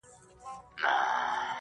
یو څه وخت یې په ځالۍ کي لویومه -